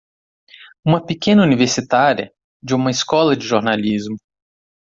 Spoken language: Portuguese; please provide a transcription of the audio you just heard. Uma pequena universitária de uma escola de jornalismo!